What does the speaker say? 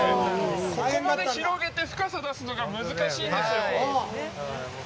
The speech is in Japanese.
ここまで広げて深さ出すのが難しいんですよ。